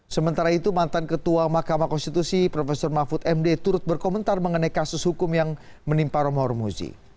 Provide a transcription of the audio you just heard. sementara itu mantan ketua mahkamah konstitusi prof mahfud md turut berkomentar mengenai kasus hukum yang menimpa romo rumuzi